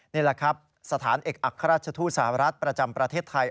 นี่แหละครับสถานเอกอัครราชทูตสหรัฐประจำประเทศไทย